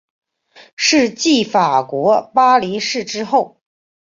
是继法国巴黎市之后。